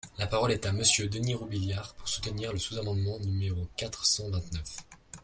La parole est à Monsieur Denys Robiliard, pour soutenir le sous-amendement numéro quatre cent vingt-neuf.